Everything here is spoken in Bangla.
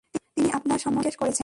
তিনি আপনার সম্বন্ধে জিজ্ঞেস করেছেন।